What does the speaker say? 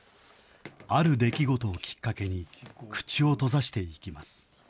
ある出来事をきっかけに、口を閉ざしていきます。